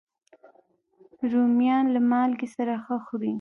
رومیان له مالګې سره ښه خوري